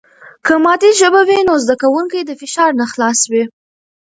که مادي ژبه وي، نو زده کوونکي د فشار نه خلاص وي.